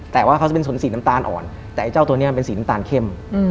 แต่ว่าเขาจะเป็นสนสีน้ำตาลอ่อนแต่ไอ้เจ้าตัวนี้มันเป็นสีน้ำตาลเข้ม